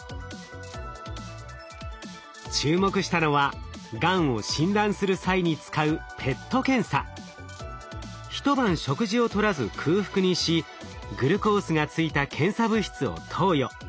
注目したのはがんを診断する際に使う一晩食事をとらず空腹にしグルコースがついた検査物質を投与。